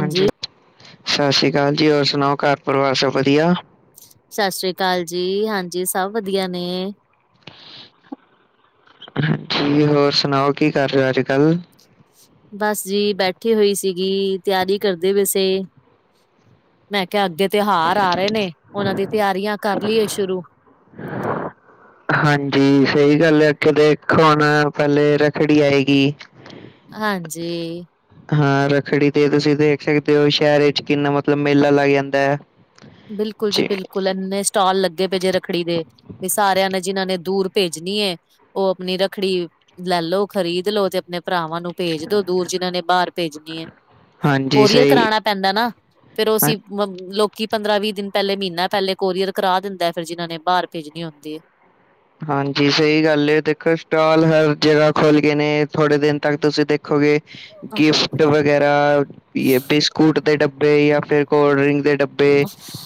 ਹਾਂਜੀ, ਸਤਿ ਸ੍ਰੀ ਅਕਾਲ ਜੀ ਹੋਰ ਸੁਣਾਓ ਘਰ ਪਰਿਵਾਰ ਸਭ ਵਧੀਆ? ਸਤਿ ਸ੍ਰੀ ਅਕਾਲ ਜੀ, ਹਾਂਜੀ ਸਭ ਵਧੀਆ ਨੇ, ਹਾਂਜੀ, ਹੋਰ ਸੁਣਾਓ ਕੀ ਕਰ ਰਹੇ ਹੋ ਅੱਜ -ਕੱਲ? ਬਸ ਜੀ, ਬੈਠੀ ਹੋਈ ਸੀਗੀ, ਤਿਆਰੀ ਕਰਦੇ ਪਈ ਸੀ। ਮੈਂ ਕਿਹਾ ਅੱਗੇ ਤਿਉਹਾਰ ਆ ਰਹੇ ਨੇ, ਉਹਨਾਂ ਦੀ ਤਿਆਰੀਆਂ ਕਰ ਲਈਏ ਸ਼ੁਰੂ ਹਾਂਜੀ, ਸਹੀ ਗੱਲ ਹੈ, ਕਿ ਦੇਖ ਹੁਣ ਪਹਿਲੇ ਰੱਖੜੀ ਆਏਗੀ। ਹਾਂਜੀ ਹਾਂ ਰੱਖੜੀ ਤੇ ਤੁਸੀਂ ਦੇਖ ਸਕਦੇ ਹੋ, ਸ਼ਹਿਰ ਵਿੱਚ ਕਿੰਨਾ ਮਤਲਬ ਮੇਲਾ ਲੱਗ ਜਾਂਦਾ ਹੈ ਬਿਲਕੁਲ ਜੀ ਬਿਲਕੁਲ ਐੰਨੇ, ਸਟਾਲ ਲੱਗੇ ਪਏ ਜੇ ਰੱਖੜੀ ਦੇ, ਵੀ ਸਾਰਿਆਂ ਨੇ ਜਿਨਾਂ ਨੇ ਦੂਰ ਭੇਜਣੀ ਹੈ। ਉਹ ਆਪਣੀ ਰੱਖੜੀ ਲੈ ਲੋ, ਖ਼ਰੀਦ ਲੋ, ਤੇ ਆਪਣੇ ਭਰਾਵਾਂ ਨੂੰ ਭੇਜ ਦੋ ਦੂਰ ਜਿਨਾਂ ਨੇ ਬਾਹਰ ਭੇਜਣੀ ਹੈ, ਹਾਂਜੀ ਕੋਰੀਅਰ ਸਹੀ ਕਰਾਣਾ ਪੈਂਦਾ ਨਾ, ਫੇਰ ਹਾਂ- ਉਹਸੀਂ ਮ ਲੋਕੀ ਪੰਦਰਾਂ ਵੀਹ ਦਿਨ ਪਹਿਲੇ ਮਹੀਨਾ ਪਹਿਲੇ ਕੋਰੀਅਰ ਕਰਾ ਦਿੰਦਾ, ਫਿਰ ਜਿਨ੍ਹਾਂ ਨੇ ਬਾਹਰ ਭੇਜਣੀ ਹੁੰਦੀ ਹੈ। ਹਾਂਜੀ ਸਹੀ ਗੱਲ ਦੇਖੋ, ਸਟਾਲ ਹਰ ਜਗ੍ਹਾ ਖੁਲ੍ਹ ਗਏ ਨੇ, ਥੋੜੇ ਦਿਨ ਤੱਕ ਤੁਸੀਂ ਦੇਖੋਗੇ। ਗਿਫਟ ਵਗੈਰਾ, ਜਾ ਬਿਸਕੁਟ ਦੇ ਡੱਬੇ, ਜਾਂ ਫਿਰ ਕੋਲਡ ਡਰਿੰਕ ਦੇ ਡੱਬੇ ਤੇ,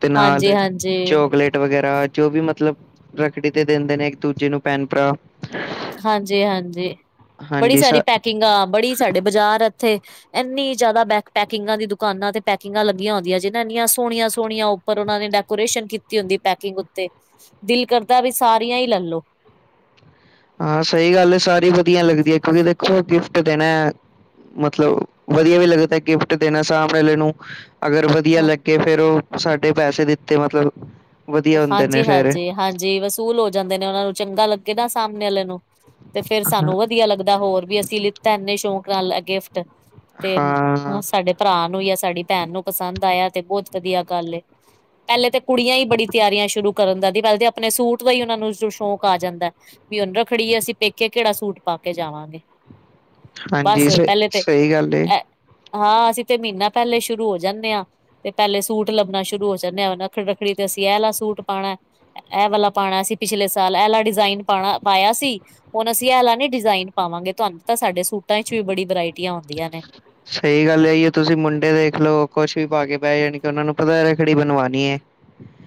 ਤੇ ਨਾਲ ਹਾਂਜੀ-ਹਾਂਜੀ, ਚੋਕਲੇਟ ਵਗੈਰਾ ਜੋ ਵੀ ਮਤਲਬ ਰੱਖੜੀ ਤੇ ਦਿੰਦੇ ਨੇ ਇੱਕ ਦੂਜੇ ਨੂੰ ਭੈਣ ਭਰਾ ਹਾਂਜੀ- ਹਾਂਜੀ, ਬੜੀ ਹਾਂਜੀ ਸ ਸਾਰੀ ਪੈਕਿੰਗ ਆ, ਬੜੀ ਸਾਡੇ ਬਾਜ਼ਾਰ ਇੱਥੇ ਇੰਨੀ ਜ਼ਿਆਦਾ ਬੈਕ ਪੈਕਿੰਗਾਂ ਦੀ ਦੁਕਾਨਾਂ ਤੇ ਪੈਕਿੰਗਾਂ ਲੱਗੀਆਂ ਹੁੰਦੀਆਂ ਜੀ ਨਾ ਇੰਨੀਆਂ ਸੋਹਣੀਆਂ- ਸੋਹਣੀਆਂ, ਪਰ ਉਹਨਾਂ ਨੇ ਡੈਕੋਰੇਸ਼ਨ ਕੀਤੀ ਹੁੰਦੀ ਪੈਕਿੰਗ ਉੱਤੇ, ਦਿਲ ਕਰਦਾ ਵੀ ਸਾਰੀਆਂ ਹੀ ਲੈਲੋ ਹਾਂ ਸਹੀ ਗੱਲ ਹੈ ਸਾਰੀ ਵਧੀਆ ਲੱਗਦੀ ਹੈ, ਕਿਉਂਕਿ ਦੇਖੋ ਗਿਫਟ ਦੇਣਾ ਹੈ। ਮਤਲਬ ਵਧੀਆ ਵੀ ਲੱਗਦਾ, ਗਿਫਟ ਦੇਣਾ ਸਾਮ ਵਾਲੇ ਨੂੰ ਅਗਰ ਵਧੀਆ ਲੱਗੇ ਫੇਰ ਉਹ, ਸਾਡੇ ਪੈਸੇ ਦਿੱਤੇ ਮਤਲਬ ਵਧੀਆ ਹੁੰਦੇ ਨੇ ਹਾਂਜੀ ਫੇਰ ਹਾਂਜੀ ਹਾਂਜੀ, ਵਸੂਲ ਹੋ ਜਾਂਦੇ ਨੇ ਉਹਨਾਂ ਨੂੰ ਚੰਗਾ ਲੱਗੇ ਨਾ ਸਾਹਮਣੇ ਵਾਲੇ ਨੂੰ ਤੇ ਫੇਰ ਹਾਂ ਸਾਨੂੰ ਵਧੀਆ ਲੱਗਦਾ, ਹੋਰ ਵੀ ਅਸੀਂ ਲਿੱਤਾ ਇੰਨੇ ਸ਼ੌਕ ਨਾਲ ਏਹ ਗਿਫਟ ਤੇ, ਹਾਂ ਸਾਡੇ, ਭਰਾ ਨੂੰ ਜਾਂ ਸਾਡੀ ਭੈਣ ਨੂੰ ਪਸੰਦ ਆਇਆ ਤੇ ਬਹੁਤ ਵਧੀਆ ਗੱਲ ਏ, ਪਹਿਲੇ ਤਾਂ, ਕੁੜੀਆਂ ਹੀ ਬੜੀ ਤਿਆਰੀਆਂ ਸ਼ੁਰੂ ਕਰਨ ਦਾ, ਪਹਿਲੇ ਆਪਣੇ ਸੂਟ ਦਾ ਹੀ ਉਹਨਾਂ ਨੂੰ ਸ਼ੌਕ ਆ ਜਾਂਦਾ। ਵੀ ਉਹਨੂੰ ਰੱਖੜੀਏ, ਅਸੀਂ ਪੇਕੇ ਕਿਹੜਾ ਸੂਟ ਪਾ ਕੇ ਜਾਵਾਂਗੇ। ਬਸ ਹਾਂਜੀ ਸ ਪਹਿਲੇ ਤੇ, ਸਹੀ ਗੱਲ ਏ ਅ ਹਾਂ, ਅਸੀਂ ਤੇ ਮਹੀਨਾ ਪਹਿਲੇ ਸ਼ੁਰੂ ਹੋ ਜਾਂਦੇ ਹਾਂ। ਤੇ ਪਹਿਲੇ ਸੂਟ ਲੱਭਣਾ ਸ਼ੁਰੂ ਹੋ ਜਾਂਦੇ, ਹਾਂ ਰੱਖੜ ਰੱਖੜੀ ਤੇ ਅਸੀਆਲਾ ਸੂਟ ਪਾਉਣਾ। ਇਹ ਵਾਲਾ ਪਾਉਣਾ ਸੀ, ਪਿਛਲੇ ਸਾਲ ਇਹ ਵਾਲਾ ਡਿਜ਼ਾਇਨ ਪਾਇਆ ਸੀ। ਹੁਣ ਅਸੀਂ ਇਹਲ ਨੀ ਡਿਜ਼ਾਇਨ ਪਾਵਾਂਗੇ, ਤੁਹਾਨੂੰ ਤਾਂ ਸਾਡੇ ਸੂਟਾਂ 'ਚ ਵੀ ਬੜੀ ਵਰਾਇਟੀਆਂ ਹੁੰਦੀਆਂ ਨੇ, ਸਹੀ ਗੱਲ ਹੈਗੀ ਹੈ, ਤੁਸੀਂ ਮੁੰਡੇ ਦੇਖ ਲਓ, ਕੁਛ ਵੀ ਪਾ ਕੇ ਬਹਿ ਜਾਣੀ, ਕਿ ਉਹਨਾਂ ਨੂੰ ਪਤਾ ਰੱਖੜੀ ਬਣਵਾਉਣੀ ਏ,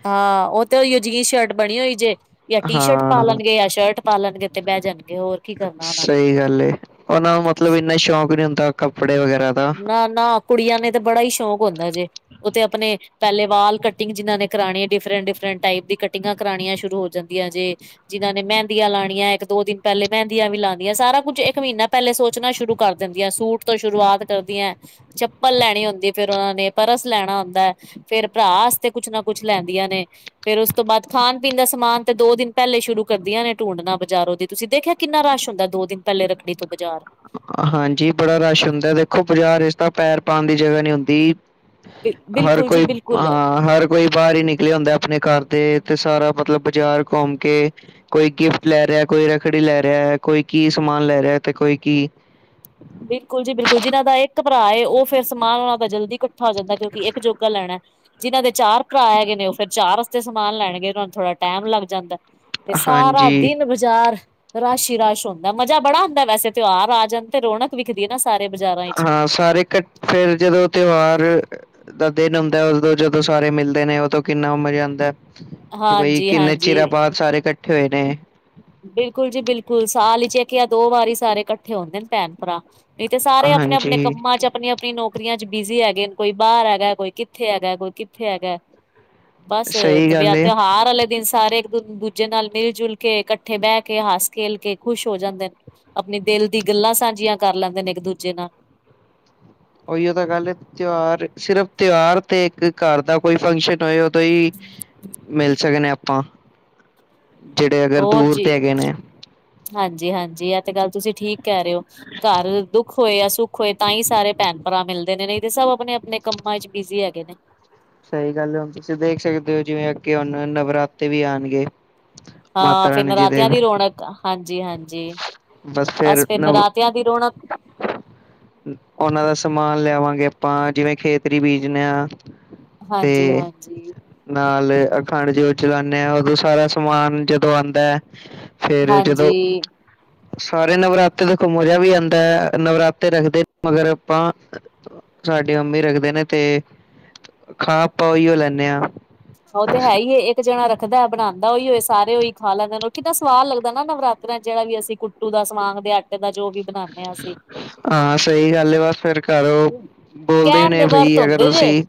ਹਾਂ ਉਹ ਤੇ ਜਿਗ ਸ਼ਰਟ ਬਣੀ ਹੋਈ ਜੇ, ਜਾਂ ਟੀ ਸ਼ਰਟ ਪਾ ਹਾਂ ਲਣਗੇ ਜਾਂ ਸ਼ਰਟ ਪਾ ਲਣਗੇ ਤੇ ਬਹਿ ਜਾਣਗੇ ਹੋਰ ਕੀ ਕਰਨਾ ਉਹਨਾ। ਸਹੀ ਗੱਲ ਹੈ। ਉਹਨਾਂ ਨੂੰ ਮਤਲਬ ਇੰਨਾ ਸ਼ੌਕ ਨੀ ਹੁੰਦਾ ਕੱਪੜੇ ਵਗੈਰਾ ਦਾ। ਨਾ, ਨਾ ਕੁੜੀਆਂ ਨੇ ਤੇ ਬੜਾ ਹੀ ਸ਼ੌਕ ਹੁੰਦਾ ਜੇ ਔਤੇ ਅਪਣੇ ਪਹਿਲੇ ਵਾਲ ਕਟਿੰਗ ਜਿਹਨ੍ਹਾਂ ਨੇ ਕਰਾਣੇ ਨੇ ਡਿਫਰੈਂਟ, ਡਿਫਰੈਂਟ ਟਾਈਪ ਦੀ ਕਟਿੰਗਾਂ ਕਰਾਉਣੀਆਂ ਸ਼ੁਰੂ ਹੋ ਜਾਂਦ ਦੀਆਂ ਜੇ। ਜਿਹਨ੍ਹਾਂ ਨੇ ਮੈੰਦੀਆਂ ਲੈਣੀਆਂ, ਇੱਕ- ਦੋ ਦਿਨ ਪਹਿਲੇ ਮੈੰਦੀਆਂ ਵੀ ਲਾਣੀਆ, ਸਾਰਾ ਕੁੱਛ ਇੱਕ ਮਹੀਨਾ ਪਹਿਲੇ ਸੋਚਣਾ ਸ਼ੁਰੂ ਕਰ ਦਿੰਦੀਆਂ, ਸੂਟ ਤੋਂ ਸ਼ੁਰੂਆਤ ਕਰਦੀਆਂ ਚੱਪਲ ਲੈਣੀ ਹੁੰਦੀ ਫਿਰ ਉਹਨਾਂ ਨੇ ਪਰਸ ਲੈਣਾ ਹੁੰਦਾ ਫੇਰ ਭਰਾ ਆਸਤੇ ਕੁੱਛ ਨਾ ਕੁਛ ਲੈਂਦੀਆਂ ਨੇ। ਫੇਰ ਉਸ ਤੋਂ ਬਾਅਦ ਖਾਣ- ਪੀਣ ਦਾ ਸਮਾਨ ਤੇ ਦੋ ਦਿਨ ਪਹਿਲੇ ਸ਼ੁਰੂ ਕਰਦੀਆਂ ਨੇ ਢੂੰਡਣਾ ਬਾਜ਼ਾਰੋ ਦੀ। ਤੁਸੀਂ ਦੇਖਿਆ ਕਿੰਨਾ ਰਸ਼ ਹੁੰਦਾ, ਦੋ ਦਿਨ ਪਹਿਲੇ ਰੱਖੜੀ ਤੋਂ ਬਾਜ਼ਾਰ? ਹਾਂਜੀ ਬੜਾ ਰਸ਼ ਹੁੰਦਾ ਦੇਖੋ ਬਾਜ਼ਾਰ ਵਿੱਚ ਤਾਂ ਪੈਰ ਪਾਣ ਦੀ ਜਗ੍ਹਾ ਨਹੀਂ ਹੁੰਦੀ। ਹਰ ਬਿਲਕੁਲ ਜੀ ਕੋਈ, ਅ ਬਿਲਕੁਲ ਹਰ ਕੋਈ ਬਾਹਰ ਹੀ ਨਿਕਲੇਆ ਹੁੰਦਾ ਆਪਣੇ ਘਰ ਦੇ, ਤੇ ਸਾਰਾ ਮਤਲਬ ਬਾਜ਼ਾਰ ਘੁੰਮ ਕੇ ਕੋਈ ਗਿਫਟ ਲੈ ਰਿਹਾ, ਕੋਈ ਰੱਖੜੀ ਲੈ ਰਿਹਾ, ਕੋਈ ਕੀ ਸਮਾਨ ਲੈ ਰਿਹਾ ਤੇ ਕੋਈ ਕੀ। ਬਿਲਕੁਲ ਜੀ ਬਿਲਕੁਲ, ਜਿਨਾਂ ਦਾ ਇੱਕ ਭਰਾ ਉਹ ਫਿਰ ਸਮਾਨ ਉਹਨਾਂ ਦਾ ਜਲਦੀ ਇਕੱਠਾ ਹੋ ਜਾਂਦਾ ਕਿਉਂਕਿ ਇੱਕ ਜੋਗਾ ਲੈਣਾ। ਜਿਹਨਾਂ ਦੇ ਚਾਰ ਭਰਾ ਹੈਗੇ ਨੇ, ਉਹ ਫਿਰ ਚਾਰਦ ਆਸਤੇ ਸਮਾਨ ਲੈਣਗੇ ਉਹਨਾਂ ਨੂੰ ਥੋੜਾ ਟਾਈਮ ਲੱਗ ਜਾਂਦਾ। ਤੇ ਸਾਰਾ ਹਾਂਜੀ, ਦਿਨ ਵ ਜਾਰ, ਰਸ਼ ਹੀ ਰਸ਼ ਹੁੰਦਾ ਮਜ਼ਾ ਬੜਾ ਹੁੰਦਾ ਵੈਸੇ ਤਿਉਹਾਰ ਆ ਜਾਂਦਾ ਤੇ ਰੌਣਕ ਵਿਖਦੀ ਏ ਨਾ ਸਾਰੇ ਬਾਜ਼ਾਰਾਂ ਵਿੱਚ ਹਾਂ ਸਾਰੇ ਕਠੇ, ਜਦੋਂ ਤਿਉਹਾਰ ਦਾ ਦਿਨ ਹੁੰਦਾ, ਉਦੋਂ ਜਦੋਂ ਸਾਰੇ ਮਿਲਦੇ ਨੇ ਉਦੋਂ ਕਿੰਨਾ ਮਜ਼ਾ ਆਂਦਾ। ਕਿ ਬਈ, ਹਾਂਜੀ ਕਿੰਨੇ ਚਿਰਾਂ ਹਾਂਜੀ। ਬਾਅਦ ਸਾਰੇ ਇਕੱਠੇ ਹੋਏ ਨੇ। ਬਿਲਕੁਲ ਜੀ, ਬਿਲਕੁਲ ਸਾਲ ਚ ਇਕ ਯਾ ਦੋ ਵਾਰੀ ਸਾਰੇ ਇਕੱਠੇ ਹੁੰਦੇ ਨੇ ਭੈਣ-ਭਰਾ। ਨਹੀਂ ਤੇ ਸਾਰੇ ਅਪਣੇ, ਅਪਣੇ ਹਾਂਜੀ। ਕੰਮਾਂ ਚ ਅਪਣੇ ਤੇ ਨੌਕਰੀਆਂ ਚ ਬਿਜ਼ੀ ਹੈਗੇ ਨੇ ਕੋਈ ਬਾਹਰ ਹੈਗਾ, ਕੋਈ ਕਿੱਥੇ ਹੈਗਾ, ਕੋਈ ਕਿੱਥੇ ਹੈਗਾ। ਬਸ ਸਹੀ ਤੇ ਗੱਲ ਵਿਆਹ ਏ। ਤਿਉਹਾਰ ਆਲੇ ਦਿਨ ਸਾਰੇ ਇੱਕ ਦ ਦੂਜੇ ਨਾਲ ਮਿਲ -ਜੁਲ ਕੇ ਇਕਠੇ ਬਹਿ ਕੇ ਹਾਸ-ਖੇਲ ਕੇ ਖੁਸ਼ ਹੋ ਜਾਂਦੇ ਨੇ। ਅਪਣੇ ਦਿਲ ਦੀ ਗੱਲਾਂ ਸਾਂਝੀਆਂ ਕਰ ਲੈਂਦੇ ਨੇ ਇੱਕ ਦੂਜੇ ਨਾਲ। ਔਈਯੋ ਤਾਂ ਗੱਲ ਹੈ ਤਿਉਹਾਰ, ਸਿਰਫ ਤਿਉਹਾਰ ਤੇ ਇੱਕ ਘਰ ਦਾ ਕੋਈ ਫੰਕਸ਼ਨ ਆਏ ਓ ਤੇ ਹੀ ਮਿਲ ਸਕਣੇ ਆਪਾਂ। ਜਿਹੜੇ ਅਗਰ ਔਹ ਦੂਰ ਤੇ ਹੈਗੇ ਚੀਜ ਨੇ। ਹਾਂਜੀ, ਹਾਂਜੀ ਆ ਤੇ ਗੱਲ ਤੁਸੀਂ ਠੀਕ ਕਹਿ ਰਹੇ ਹੋ ਘਰ ਦੁੱਖ ਹੋਏ, ਯਾ ਸੁੁੱਖ ਹੋਏ ਤਾਂ ਹੀ ਸਾਰੇ ਭੈਣ ਭਰਾ ਮਿਲਦੇ ਨੇ ਨਹੀ ਤੇ ਸਭ ਅਪਣੇ-ਅਪਣੇ ਕੰਮਾਂ ਚ ਬਿਜ਼ੀ ਹੈਗੇ ਨੇ। ਸਹੀ ਗੱਲ ਏ ਹੁਣ ਤੁਸੀਂ ਦੇਖ ਸਕਦੇ ਹੋ ਜਿਵੇਂ ਅਗੇ ਹੁਣ ਨਵਰਾਤੇ ਵੀ ਆਣਗੇ ਹਾਂ ਮਾਤਾ ਫੇਰ ਰਾਣੀ ਜੀ ਦੇ ਨਰਾਤਿਆਂ ਦੀ ਰੌਣਕ ਹਾਂਜੀ, ਹਾਂਜੀ ਬਸ ਫੇਰ ਨਰਾਤਿਆਂ ਦੀ ਰੌਣਕ ਔਹਨਾਂ ਦਾ ਸਮਾਨ ਲਿਆਵਾਂਗੇ ਆਪਾਂ ਜਿਵੇਂ ਖੇਤਰੀ ਬੀਜਦੇ ਹਾਂ। ਹਾਂਜੀ, ਹਾਂਜੀ। ਨਾਲ ਅਖੰਡ ਜੋਤ ਚਲਾਨੇ ਆਂ ਉਦੋਂ ਸਾਰਾ ਸਮਾਨ ਜਦੋਂ ਆਂਦੈ ਹਾਂਜੀ। ਸਾਰੇ ਨਵਰਾਤੇ ਦੇਖੋ ਮਜਾ ਵੀ ਆਦਾ ਹੈ ਨਵਰਾਤੇ ਰੱਖਦੇ ਮਗਰ ਆਪਾਂ ਸਾਡੇ ਅੰਮੀ ਰੱਖਦੇ ਨੇ, ਤੇ ਖਾ ਆਪਾ ਔਈਯੋ ਲੈਂਨੇ ਆ। ਔਹ ਤੇ ਹੈ ਈ ਯੇ ਇੱਕ ਇਕ ਜਾਣਾ ਰੱਖਦਾ ਬਣਾਦਾ ਔਈਯੋ ਏ ਸਾਰੇ ਔ ਹੀ ਖਾ ਲੈਂਦੇ ਨੇ ਉਹ ਕਿੱਨਾ ਸਵਾਦ ਲੱਗਦਾ ਨਾ ਨਵਰਾਤ੍ਰਯਾ ਚ ਜਿਹੜਾ ਵੀ ਅਸੀਂ ਟੂ ਦਾ, ਸਮਾਂਗ ਦੇ ਆਟੇ ਦਾ ਜੋ ਵੀ ਬਣਾਂਦੇ ਹਾਂ ਅਸੀਂ। ਹਾਂ ਸਹੀ ਗੱਲ ਹੈ ਬਸ ਫੇਰ ਘਰੋਂ ਬੋਲਦੇ ਵੀ ਕਹਿਣ ਨੇ ਦੇ ਬਈ ਵਰਤ ਅਗਰ ਹੁੰਦੇ ਤੁਸੀਂ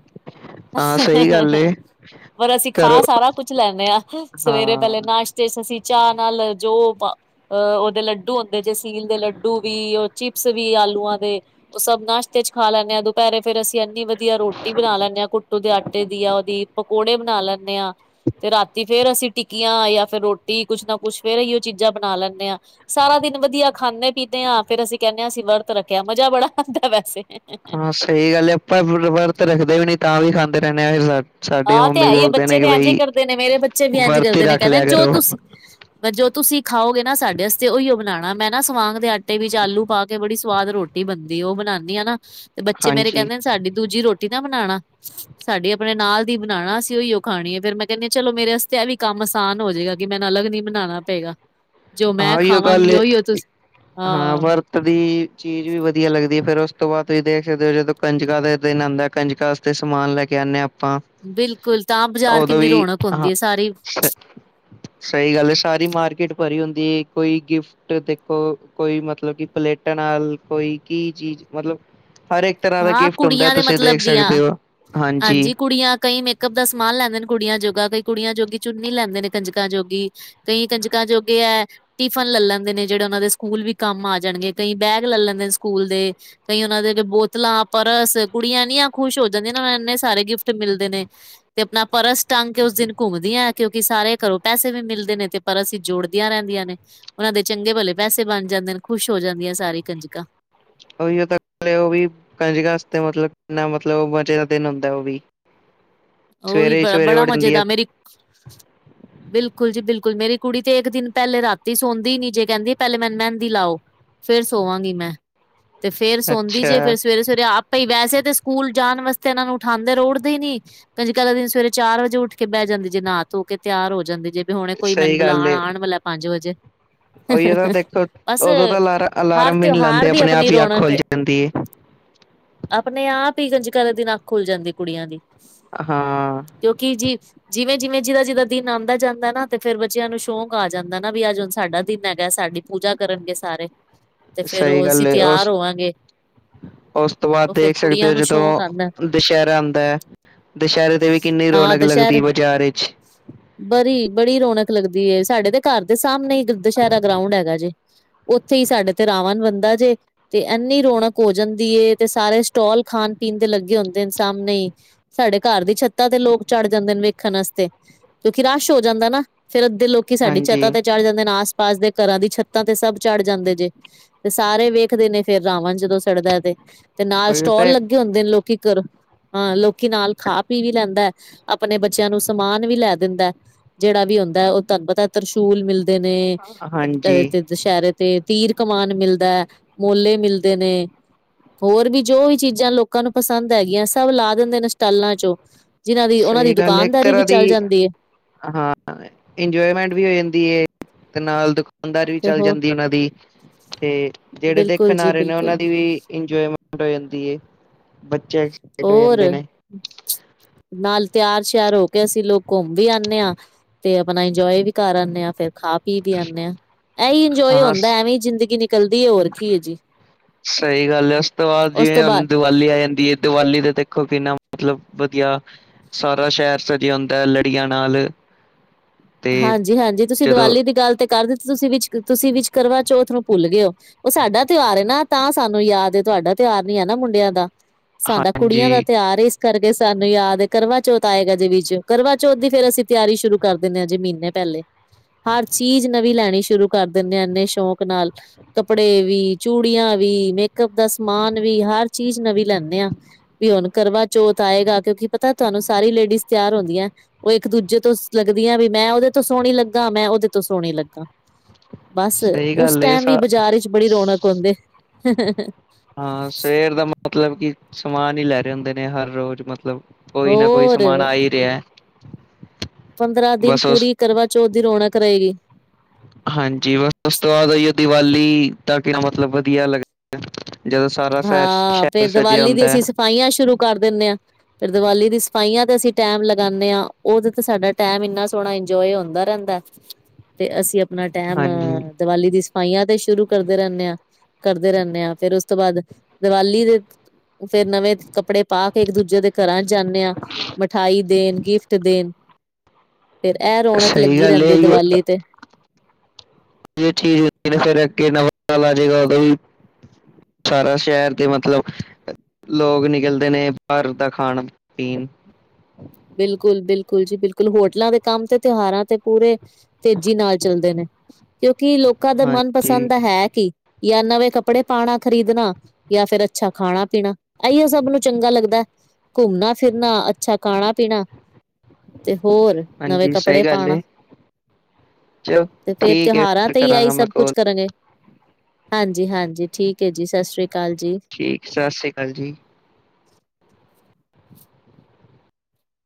ਹਾਂ ਸਹੀ ਜੇ ਗੱਲ ਏ। ਪਰ ਅਸੀਂ ਖਾ ਘਰੋਂ ਸਾਰਾ ਕੁਛ ਲੈਂਦੇ ਹਾਂ ਸਵੇਰੇ ਪਹਿਲੇ ਹਾਂ ਨਾਸ਼ਤਾ ਤੇ ਚ ਅਸੀਂ ਚਾਹ ਨਾਲ ਜੋ ਬ ਅਹ ਔਹਦੇ ਲੱਡੂ ਹੁੰਦੇ, ਜਸੀਲ ਦੇ ਲੱਡੂ ਵੀ, ਉਹ ਚਿਪਸ ਵੀ ਆਲੂਆਂ ਦੇ ਉਹ ਸਭ ਨਾਸ਼ਤੇ ਚ ਖਾ ਲੈਂਦੇ, ਹਾਂ ਦੁਪਹਿਰੇ ਫੇਰ ਅਸੀਂ ਇੰਨੀ ਵਧੀਆ ਰੋਟੀ ਬਣਾ ਲੈਂਦੇ, ਹਾਂ ਘੁੱਟੂ ਦੇ ਆਟੇ ਦੀ ਆ ਉਹਦੀ ਪਕੌੜੇ ਬਣਾ ਲੈਂਦੇ ਹਾਂ ਤੇ ਰਾਤੀ ਫੇਰ ਅਸੀਂ ਟਿੱਕੀਆਂ ਜਾਂ ਫਿਰ ਰੋਟੀ ਕੁੱਛ ਨਾ ਕੁੱਛ ਫੇਰ ਅਸੀਂ ਉਹ ਚੀਜ਼ਾਂ ਬਣਾ ਲੈਂਦੇ ਹਾਂ। ਸਾਰਾ ਦਿਨ ਵਧੀਆ ਖਾਂਦੇ ਪੀਂਦੇ ਹਾਂ, ਫੇਰ ਅਸੀਂ ਕਹਿੰਦੇ ਹਾਂ ਅਸੀਂ ਵਰਤ ਰੱਖਿਆ ਮਜਾ ਬੜਾ ਆਉਂਦਾ ਵੈਸੇ। ਹਾਂ ਸਹੀ ਗੱਲ ਹੈ, ਆਪਾਂ ਵਰਤ ਰੱਖਦੇ ਵੀ ਨੀ ਤਾਂ ਵੀ ਖਾਂਦੇ ਰਹਿੰਦੇ ਆਾਂ ਫਿਰ ਸਾਡੇ ਆਹ ਤੇ ਮੰਮੀ ਹੈ ਹੀਏ ਬੋਲਦੇ ਬੱਚੇ ਨੇ ਕਿ ਤੇ ਇਂਝ ਹੀ ਬਈ ਕਰਦੇ, ਨੇ ਮੇਰੇ ਬੱਚੇ ਵੀ ਇਂਝ ਵਰਤ ਹੀ ਕਰਦੇ ਨੇ ਰੱਖ ਕਹਿੰਦੇ ਲਿਆ ਜੋ ਕਰੋ ਤੁਸੀਂ ਪਰ ਜੋ ਤੁਸੀਂ ਖਾਓਗੇ ਨਾ ਸਾਡੇ ਵਾਸਤੇ ਉਹੀਓ ਬਣਾਉਣਾ ਮੈਂ ਨਾ ਸਵਾਂਗ ਦੇ ਆਟੇ ਵਿੱਚ ਆਲੂ ਪਾ ਕੇ ਬੜੀ ਸਵਾਦ ਰੋਟੀ ਬਣਦੀ ਉਹ ਬਣਾਉਂਦੀ ਹਨਾ। ਤੇ ਬੱਚੇ ਮੇਰੇ ਹਾਂਜੀ ਕਹਿੰਦੇ ਨੇ, ਸਾਡੀ ਦੂਜੀ ਰੋਟੀ ਨਾ ਬਣਾਉਣਾ ਸਾਡੀ ਆਪਣੇ ਨਾਲ ਦੀ ਬਣਾਉਣਾ ਅਸੀਂ ਉਹੀ ਉਹ ਖਾਣੀ ਹੈ, ਫੇਰ ਮੈਂ ਕਹਿੰਦੀ ਹ ਚਲੋ ਮੇਰੇ ਵਸਤੇ ਇਹ ਵੀ ਕੰਮ ਆਸਾਨ ਹੋ ਜਾਏਗਾ, ਕਿ ਮੈਨੂੰ ਅਲੱਗ ਨੀ ਬਣਾਉਣਾ ਪਏਗਾ। ਜੋ ਹਾਂ ਮੈਂ ਉਹੀਓ ਗੱਲ ਖਾਵਾਂਗੀ ਏ ਉਹੀ-ਉਹ ਤੁਸੀਂ ਹਾਂ। ਦੀ ਚੀਜ਼ ਵੀ ਵਧੀਆ ਲੱਗਦੀ ਹੈ, ਫੇਰ ਉਸ ਤੋਂ ਬਾਅਦ ਤੁਸੀਂ ਦੇਖ ਸਕਦੇ ਹੋ ਜਦੋਂ ਕੰਜਕ ਦੇ ਦਿਨ ਆਉਂਦਾ ਹੈ ਕੰਜਕਾਂ ਤੇ ਸਮਾਨ ਲੈ ਕੇ ਆਉਂਦੇ ਹਾਂ ਆਪਾਂ। ਬਿਲਕੁਲ ਤਾਂ ਬਾਜ਼ਾਰ ਉਦੋਂ ਕਿੰਨੀ ਵੀ ਰੌਣਕ ਹੁੰਦੀ ਹਾਂ ਹੈ ਸਾਰੀ। ਸ ਸਹੀ ਗੱਲ ਹੈ ਸਾਰੀ ਮਾਰਕੀਟ ਭਰੀ ਹੁੰਦੀ ਹੈ ਕੋਈ ਗਿਫਟ ਦੇਖੋ ਕੋਈ ਮਤਲਬ ਕਿ ਪਲੇਟਾਂ ਨਾਲ ਕੋਈ ਕੀ ਚੀਜ਼ ਮਤਲਬ ਹਰ ਇੱਕ ਤਰ੍ਹਾਂ ਦਾ ਹਾਂ ਗਿਫਟ ਹੁੰਦਾ ਕੁੜੀਆਂ ਦੇ ਤੁਸੀਂ ਦੇਖ ਮਤਲਬ ਦੀਆਂ ਸਕਦੇ ਹੋ ਹਾਂਜੀ। ਕੁੜੀਆਂ ਕਈ ਇਕ ਅੱਧਾ ਸਮਾਨ ਲੈਂਦੇ ਨੇ ਕੁੜੀਆਂ ਜੋਗਾ, ਕਈ ਕੁੜੀਆਂ ਜੋਗੀ ਚੁੰਨੀ ਲੈਂਦੇ ਨੇ ਕੰਜਕਾਂ ਜੋਗੀ। ਕਈ ਕੰਜਕਾਂ ਜੋਗੇ ਏ ਟਿਫਨ ਲੈ ਲੈਂਦੇ ਨੇ ਜਿਹੜੇ, ਉਹਨਾਂ ਦੇ ਸਕੂਲ ਵੀ ਕੰਮ ਆ ਜਾਣਗੇ ਕਈ ਬੈਗ ਲੈ ਲੈਂਦੇ ਨੇ ਸਕੂਲ ਦੇ। ਕਈ ਉਹਨਾਂ ਦੇ ਅਗੇ ਬਹੁਤ। ਬੋਤਲਾਂ ਪਰਸ ਕੁੜੀਆਂ ਇਨੀਆਂ ਖੁਸ਼ ਹੋ ਜਾਂਦੀਆਂ ਨੇ ਇਨੇ ਸਾਰੇ ਗਿਫਟ ਮਿਲਦੇ ਨੇ। ਤੇ ਆਪਣਾ ਪਰਸ ਟੰਗ ਕੇ ਉਸ ਦਿਨ ਘੁੰਮਦੀਆਂ ਕਿਉਂਕਿ ਸਾਰੇ ਘਰੋਂ ਪੈਸੇ ਵੀ ਮਿਲਦੇ ਨੇ ਤੇ। ਪਰਸ ਵਿੱਚ ਜੋੜਦੀਆਂ ਰਹਿੰਦੀਆਂ ਨੇ ਉਹਨਾਂ ਦੇ ਚੰਗੇ ਭਲੇ ਪੈਸੇ ਬਣ ਜਾਂਦੇ ਨੇ ਖੁਸ਼ ਹੋ ਜਾਂਦੀਆਂ ਸਾਰੀ ਕੰਜਕਾਂ। ਉਹੀ ਉਹ ਤਾਂ ਉਹ ਵੀ ਕੰਜਕਾਂ ਮਤਲਬ ਕਿੰਨਾ ਮਤਲਬ ਮਜ਼ੇ ਦਾ ਦਿਨ ਹੁੰਦਾ ਉਹ ਵੀ। ਉਹ ਹੀ ਸਵੇਰੇ ਸਵੇਰੇ ਬੜਾ ਉੱਠ ਮਜ਼ੇ ਜਾਂਦੀ ਹੈ ਦਾ ਮੇਰੀ। ਬਿਲਕੁਲ ਜੀ ਬਿਲਕੁਲ ਮੇਰੀ ਕੁੜੀ ਤੇ ਇੱਕ ਦਿਨ ਪਹਿਲੇ ਰਾਤੀ ਸੌਂਦੀ ਨੀ ਜੇ ਕਹਿੰਦੀ ਪਹਿਲੇ ਮੈਨੂੰ ਮਹਿੰਦੀ ਲਾਓ। ਫੇਰ ਸੋਵਾਂਗੀ ਮੈਂ ਤੇ ਫੇਰ ਸੌਦੀ ਜੇ ਅੱਛਾ ਫਿਰ ਸਵੇਰੇ -ਸਵੇਰੇ ਆਪ। ਪਈ ਵੈਸੇ ਤਾਂ ਸਕੂਲ ਜਾਣ ਵਾਸਤੇ ਇਹਨਾਂ ਨੂੰ ਉਠਾਦੇ ਰਹੋ ਉਠਾਦੇ ਹੀ ਨੀ। ਕੰਜਕਾ ਵਾਲ਼ੇ ਦਿਨ ਸਵੇਰੇ ਚਾਰ ਵਜੇ ਉੱਠ ਕੇ ਬਹਿ ਜਾਂਦੇ ਜੇ ਨਹਾ ਧੋ ਕੇ ਤਿਆਰ ਹੋ ਜਾਂਦੀ ਜੇ। ਵੀ ਹੁਣੇ ਕੋਈ ਮੈਨੂੰ ਸਹੀ ਗੱਲ ਬੁਲਾਉਣ ਏ ਆਉਣ ਵਾਲਾ ਪੰਜ ਵਜੇ‌। ਉਹੀ ਤਾਂ ਦੇਖੋ ਬਸ ਉਦੋਂ ਤਾਂ ਅਲਾਰ ਹਰ ਅਲਾਰਮ ਵੀ ਨੀ ਤਿਉਹਾਰ ਲਾਉਂਦੇ ਦੀ ਆਪਣੇ ਆਪਣੀ ਆਪ ਹੀ ਅੱਖ ਰੌਣਕ ਖੁੱਲ ਏ। ਜਾਂਦੀ ਹੈ ਆਪਣੇ ਆਪ ਹੀ ਕੰੰਜਕਾਂ ਦੇ ਦਿਨ ਅੱਖ ਖੁੱਲ ਜਾਂਦੀ ਕੁੜੀਆਂ ਦੀ। ਹਾਂ। ਕਿਉਂਕਿ ਜੀ। ਜਿਵੇਂ -ਜਿਵੇਂ, ਜਿਦਾ ਜਿਦਾ ਦਿਨ ਆਉਂਦਾ ਜਾਂਦਾ ਨਾ ਤੇ ਫੇਰ ਬੱਚਿਆਂ ਨੂੰ ਸ਼ੌਂਕ ਆ ਜਾਂਦਾ, ਨਾ ਵੀ ਅੱਜ ਹੁਣ ਸਾਡਾ ਦਿਨ ਹੈਗਾ ਸਾਡੀ। ਪੂਜਾ ਕਰਨਗੇ ਸਾਰੇ। ਤੇ ਫੇਰ ਸਹੀ ਉਹ ਗੱਲ ਅਸੀਂ ਏ ਤਿਆਰ ਉਸ ਹੋਵਾਂਗੇ ਉਸ ਤੋਂ ਬਾਅਦ ਉਹ ਫੇਰ ਦੇਖ ਸਕਦੇ ਕੁੜੀਆਂ ਹੋ ਨੂੰ ਜਦੋਂ ਸ਼ੌਕ ਆਂਦਾ ਦੁਸਹਿਰਾ ਆਉਂਦਾ ਹੈ, ਦੁਸਹਿਰੇ ਤੇ ਵੀ ਕਿੰਨੀ ਹਾਂ ਰੌਣਕ ਲੱਗਦੀ ਹੈ ਦੁਸਹਿਰੇ ਬਾਜ਼ਾਰ ਵਿੱਚ। ਬੜੀ- ਬੜੀ ਰੌਣਕ ਲੱਗਦੀ, ਸਾਡੇ ਤੇ ਘਰ ਦੇ ਸਾਹਮਣੇ ਦੁਸਹਿਰਾ ਗਰਾਉਂਡ ਹੈਗਾ ਜੇ। ਉੱਥੇ ਹੀ ਸਾਡੇ ਤੇ ਰਾਵਣ ਬਣਦਾ ਜੇ। ਤੇ ਇਨੀ ਰੌਣਕ ਹੋ ਜਾਂਦੀ ਏ, ਤੇ ਸਾਰੇ ਸਟੋਲ ਖਾਣ ਪੀਣ ਦੇ ਲੱਗੇ ਹੁੰਦੇ ਨੇ ਸਾਹਮਣੇ ਹੀ। ਸਾਡੇ ਘਰ ਦੀ ਛੱਤਾਂ ਤੇ ਲੋਕ ਚੜ ਜਾਂਦੇ ਨੇ, ਵੇਖਣ ਵਾਸਤੇ ਕਿਉਂਕਿ ਰਸ਼ ਹੋ ਜਾਂਦਾ ਨਾ। ਫੇਰ ਅੱਧੇ ਲੋਕੀ ਸਾਡੀ ਹਾਂਜੀ, ਛੱਤਾ ਤੇ ਚੜ੍ਹ ਜਾਂਦੇ ਨੇ ਆਸ- ਪਾਸ ਦੇ ਘਰਾਂ ਦੀ ਛੱਤਾਂ ਤੇ ਸਬ ਚੜ੍ਹ ਜਾਂਦੇ ਜੇ। ਤੇ ਸਾਰੇ ਵੇਖਦੇ ਨੇ ਫੇਰ ਰਾਵਣ ਜਦੋਂ ਸੜਦਾ ਤੇ। ਤੇ ਨਾਲ ਉਹੀ ਸਟੋਲ ਤਾਂ ਲੱਗੇ ਹੁੰਦੇ ਨੇ ਲੋਕੀ ਘਰੋਂ ਹਾਂ ਲੋਕ ਕੀ ਨਾਲ ਖਾ ਪੀ ਵੀ ਲੈਂਦਾ ਹੈ, ਆਪਣੇ ਬੱਚਿਆਂ ਨੂੰ ਸਮਾਨ ਵੀ ਲੈ ਦਿੰਦਾ। ਜਿਹੜਾ ਵੀ ਹੁੰਦਾ ਉਹ ਤੁਹਾਨੂੰ ਪਤਾ ਤਰਿਸ਼ੂਲ ਮਿਲਦੇ ਨੇ, ਹਾਂਜੀ, ਤੇ ਦੁਸਹਿਰੇ ਤੇ ਤੀਰ ਕਮਾਨ ਮਿਲਦਾ, ਮੋਲੇ ਮਿਲਦੇ ਨੇ, ਹੋਰ ਵੀ ਜੋ ਵੀ ਚੀਜਾ ਲੋਕਾਂ ਨੂੰ ਪਸੰਦ ਹੈਗੀਆਂ ਸਭ ਲਾ ਦਿੰਦੇ ਨੇ ਸਟਾਲਾਂ ਚੋ। ਜਿਨ੍ਹਾਂ ਦੀ ਉਹਨਾਂ ਦੀ ਸਹੀ ਗੱਲ ਦੁਕਾਨਦਾਰੀ ਵੀ ਚੱਲ ਜਾਦੀ ਹੈ। ਇੰਜੋਏਮੈਟ ਵੀ ਹੋ ਜਾਦੀ ਏ ਤੇ ਨਾਲ ਦ- ਦੁਕਾਨਦਾਰੀ ਵੀ ਤੇ ਚੱਲ ਹੋ ਜਾਦੀ ਉਹਨਾ ਦੀ ਤੇ ਜਿਹੜੇ ਬਿਲਕੁਲ ਦੇਖਣ ਆ ਜੀ ਰਹੇ ਨੇ ਉਹਨਾ ਬਿਲਕੁਲ ਦੀ ਵੀ ਇੰਜੋਏਮੈਟ - ਹੋ ਜਾਦੀ ਹੈ। ਬੱਚੇ ਖੁਸ਼ ਹੋ ਔਰ ਜਾਦੇ ਨੇ- ਨਾਲ- ਤਿਆਰ ਸ਼ਿਆਰ ਹੋ ਕੇ ਅਸੀ ਲੋਕ ਘੁੰਮ ਵੀ ਆਉਦੇ ਹਾਂ ਤੇ ਆਪਣਾ ਇੰਜੋਏ ਵੀ ਕਰ ਆਦੇ ਹਾਂ। ਫਿਰ- ਖਾ ਪੀ ਵੀ ਆਦੇ ਹਾਂ ਇਹੀ ਇੰਜੋਏ ਹਾਂ ਹੁੰਦਾ ਐਵੇ ਹੀ ਜ਼ਿੰਦਗੀ ਨਿਕਲਦੀ ਹੈ ਹੋਰ ਕੀ ਹੈ ਜੀ। ਸਹੀ ਗੱਲ ਹੈ। ਉਸ ਤੋਂ ਬਾਅਦ ਉਸ ਜਿਵੇ ਤੋਂ ਹੁਣ ਬਾਅਦ ਦੀਵਾਲੀ ਆ ਜਾਦੀ ਏ। ਦੀਵਾਲੀ ਦੇ ਦੇਖੋ ਕਿਨਾ ਮਤਲਬ ਵਧੀਆ। ਸਾਰਾ ਸ਼ਹਿਰ ਸਜਿਆ ਹੁੰਦਾ ਹੈ ਲੜੀਆਂ ਨਾਲ- ਤੇ ਹਾਂਜੀ- ਹਾਂਜੀ ਤੁਸੀ ਜਦੋਂ ਦੀਵਾਲੀ ਦੀ ਗੱਲ ਤੇ ਕਰ ਦਿੱਤੀ ਤੁਸੀ ਵਿਚ ਤੁਸੀ ਵਿਚ ਕਰਵਾਚੋਥ ਨੂੰ ਭੁੱਲ ਗਏ ਹੋ। ਉਹ ਸਾਡਾ ਤਿਉਹਾਰ ਨਾ ਤਾਂ ਸਾਨੂੰ ਯਾਦ ਤੁਹਾਡਾ ਤਿਉਹਾਰ ਨੀ ਹੈ। ਨਾ ਮੁੰਡਿਆਂ ਦਾ- ਸਾਡਾ ਕੁੜੀਆਂ ਦਾ ਹਾਂਜੀ ਤਿਉਹਾਰ- ਕਰਕੇ ਸਾਨੂੰ ਯਾਦ ਹੈ ਕਰਵਾ ਚੌਥ ਆਏਗਾ ਅਜੇ ਵਿਚ ਕਰਵਾਂਚੌਥ ਦੀ ਫੇਰ ਅਸੀ ਤਿਆਰੀ ਸ਼ੁਰੂ ਕਰ- ਦਿੰਦੇ ਹਾਂ ਜੇ ਮਹੀਨੇ ਪਹਿਲੇ, ਹਰ ਚੀਜ਼ ਨਵੀ ਲੈਣੀ ਸ਼ੁਰੂ ਕਰ ਦਿੰਦੇ ਆ। ਇੰਨੇ ਸ਼ੌਕ ਨਾਲ- ਕੱਪੜੇ ਵੀ, ਚੂੜੀਆਂ ਵੀ, ਮੇਕਅਪ ਦਾ ਸਮਾਨ ਵੀ, ਹਰ ਚੀਜ ਨਵੀ ਲੈਂਦੇ ਆ। ਵੀ ਹੁਣ ਕਰਵਾ ਚੋਥ ਆਏਗਾ ਕਿਉਕਿ ਪਤਾ ਤੁਹਾਨੂੰ ਸਾਰੀ ਲੇਡੀਜ਼ ਤਿਆਰ ਹੁੰਦੀਆਂ। ਉਹ ਇਕ ਦੂਜੇ ਤੋਂ ਲੱਗਦੀਆਂ ਵੀ ਮੈ ਉਹਦੇ ਤੋਂ ਸੋਹਣੀ ਲਗਾ ਮੈਂ ਉਹਦੇ ਤੋਂ ਸੋਹਣੀ ਲਗਾ। ਬਸ ਸਹੀ ਉਸ ਗੱਲ ਏ ਟਾਈਮ ਵੀ ਸਾ ਬਜ਼ਾਰ ਵਿਚ ਬੜੀ ਰੌਣਕ ਹੁੰਦੀ - ਹਾਂ ਸਵੇਰ ਦੇ ਮਤਲਬ ਕਿ ਸਮਾਨ ਹੀ ਲੈ ਰਹੇ ਹੁੰਦੇ ਨੇ ਹਰ ਰੋਜ਼ ਮਤਲਬ- ਕੋਈ ਨਾ ਕੋਈ ਹੋਰ ਸਮਾਨ ਆ ਹੀ ਰਿਹਾ। ਪੰਦਰਾਂ ਦਿਨ ਬਸ ਉਸ ਪੂਰੀ ਕਰਵਾ ਚੌਥ ਦੀ ਰੌਣਕ ਰਹੇਗੀ। ਹਾਂਜੀ ਬਸ ਉਸ ਤੋਂ ਬਾਅਦ ਈ ਦੀਵਾਲੀ ਤ ਕਿ ਮਤਲਬ ਵਧੀਆ ਲੱਗਦਾ ਜਦੋਂ- ਸਾਰਾ ਸਰ ਹਾਂ ਸ਼ਹਿਰ ਫੇਰ ਸੱਜਿਆ ਦੀਵਾਲੀ ਦੀ ਹੁੰਦਾ ਹੈ। ਅਸੀਂ ਸਫਾਈਆਂ ਸ਼ੁਰੂ ਕਰ ਦਿੰਦੇ ਆ। ਫਿਰ ਦਿਵਾਲੀ ਦੀ ਸਫਾਈਆਂ 'ਤੇ ਅਸੀ ਟਾਈਮ ਲਗਾਉਦੇ ਹਾਂ। ਉਹਦੋ ਤੇ ਸਾਡਾ ਟਾਈਮ ਇਨਾ ਸੋਹਣਾ ਇੰਜੋਏ ਹੁੰਦਾ ਰਹਿਦਾ। ਤੇ ਅਸੀਂ ਆਪਣਾ ਟੈਮ- ਹਾਂਜੀ ਦੀਵਾਲੀ ਦੀ ਸਫਾਈਆਂ ਤੇ ਸ਼ੁਰੂ ਕਰਦੇ ਰਹਿਦੇ ਹਾਂ ਕਰਦੇ ਰਹਿਦੇ ਹਾਂ ਫੇਰ ਉਸ ਤੋਂ ਬਾਅਦ- ਦੀਵਾਲੀ ਦੇ ਫੇਰ ਨਵੇ ਕੱਪੜੇ ਪਾ ਕੇ, ਇਕ ਦੂਜੇ ਦੇ ਘਰਾਂ ਚ ਜਾਦੇ ਆ ਮਿਠਾਈ- ਦੇਣ, ਗਿਫਟ ਦੇਣ, ਫਿਰ ਇਹ ਰੌਣਕ ਸਹੀ ਲੱਗੀ ਗੱਲ ਇਹ ਰਹਿਦੀ ਹੀ ਦੀਵਾਲੀ ਤੇ- ਚੀਜ਼ ਹੁੰਦੀ ਫਿਰ ਅਗੇ ਨਵ ਸਾਲ ਆ ਜੇਗਾ ਉਦੋ ਵੀ- ਸਾਰਾ ਸ਼ਹਿਰ ਦੇ ਮਤਲਬ- ਲੋਕ ਨਿਕਲਦੇ ਨੇ ਬਾਹਰ ਦਾ ਖਾਣ ਪੀਣ- ਬਿਲਕੁਲ- ਬਿਲਕੁਲ ਜੀ ਬਿਲਕੁਲ ਹੋਟਲਾਂ ਦੇ ਕੰਮ ਤੇ ਤਿਉਹਾਰਾਂ ਤੇ ਪੂਰੇ- ਤੇਜ਼ੀ ਨਾਲ ਚੱਲਦੇ ਨੇ, ਕਿਉਕਿ ਲੋਕਾਂ ਦਾ ਹਾਂਜੀ ਮਨਪਸੰਦ ਦਾ ਹੈ। ਕੀ- ਜਾਂ ਨਵੇਂ ਕੱਪੜੇ ਪਾਉਣਾ ਖ਼ਰੀਦਣਾ- ਜਾਂ ਫਿਰ ਅੱਛਾ ਖਾਣਾ ਪੀਣਾ ਇਹੀਓ ਸਭ ਨੂੰ ਚੰਗਾ ਲੱਗਦਾ- ਘੁੰਮਣਾ ਫਿਰਨਾ ਅੱਛਾ ਖਾਣਾ ਪੀਣਾ ਤੇ, ਹੋਰ- ਨਵੇਂ ਹਾਂਜੀ ਸਹੀ ਕੱਪੜੇ ਗੱਲ ਪਾਣਾ- ਏ ਚਲੋ ਤੇ ਫੇਰ ਠੀਕ ਹੈ ਤਿਉਹਾਰਾਂ ਫਿਰ ਤੇ ਹੀ ਆਈ ਕਰਾਂਗਾ ਮੈਂ ਸਭ ਕੁਛ ਕੋਲ ਕਰਾਂਗੇ। ਹਾਂਜੀ- ਹਾਂਜੀ ਠੀਕ ਹੈ। ਜੀ ਸਤਿ ਸ਼੍ਰੀ ਅਕਾਲ ਜੀ- ਠੀਕ ਸਤਿ ਸ਼੍ਰੀ ਅਕਾਲ ਜੀ-